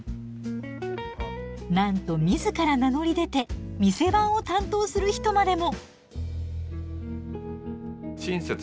なんと自ら名乗り出て店番を担当する人までも！